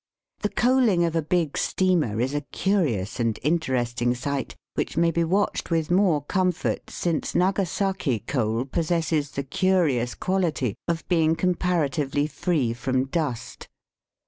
The coaling of a big steamer is a curious and interesting sight, which may be watched with more comfort since Nagasaki coal pos sesses the curious quality of being com paratively free from dust.